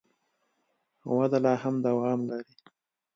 وده لا هم دوام لري.